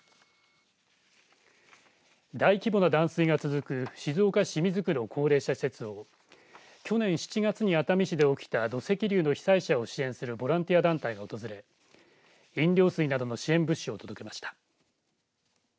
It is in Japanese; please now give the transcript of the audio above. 大規模な断水が続く静岡市清水区の高齢者施設を去年７月に熱海市で起きた土石流の被災者を支援するボランティア団体が訪れ飲料水などの支援物資を届けました。